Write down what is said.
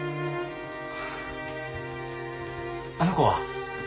あの子は？